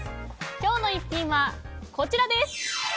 今日の逸品はこちら。